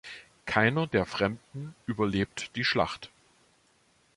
Keiner der Fremden überlebt die Schlacht.